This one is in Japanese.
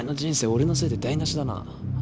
俺のせいで台無しだな。